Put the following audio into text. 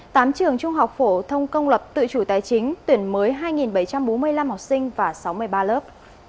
tám trường trung học phổ thông công lập tự chủ tài chính tuyển mới hai bảy trăm bốn mươi năm học sinh và sáu mươi ba lớp